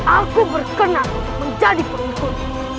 aku berkenan untuk menjadi pengikut